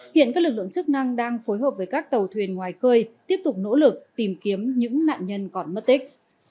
hiện các lực lượng chức năng đang phối hợp với các tàu thuyền ngoài cơi tiếp tục nỗ lực tìm kiếm những nạn nhân còn mất tích